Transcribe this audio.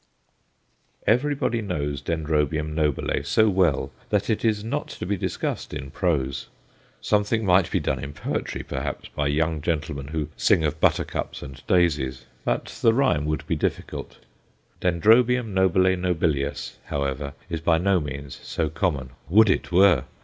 ] Everybody knows Dendrobium nobile so well that it is not to be discussed in prose; something might be done in poetry, perhaps, by young gentlemen who sing of buttercups and daisies, but the rhyme would be difficult. D. nobile nobilius, however, is by no means so common would it were!